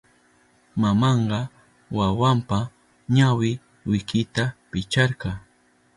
Mamanka wawanpa ñawi wikita picharka.